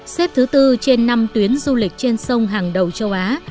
xếp thứ tư trên năm tuyến du lịch trên sông hàng đầu châu á